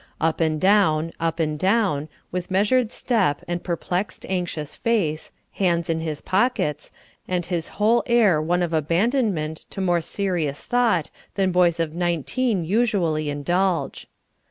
Up and down, up and down, with measured step and perplexed, anxious face, hands in his pockets, and his whole air one of abandonment to more serious thought than boys of nineteen usually indulge.